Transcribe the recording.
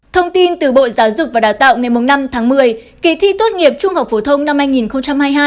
thông tin từ bộ giáo dục và đào tạo ngày năm tháng một mươi kỳ thi tốt nghiệp trung học phổ thông năm hai nghìn hai mươi hai